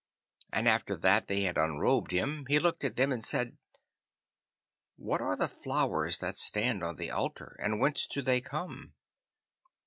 And after that they had unrobed him, he looked at them and said, 'What are the flowers that stand on the altar, and whence do they come?